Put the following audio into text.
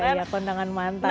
iya kondangan mantan ya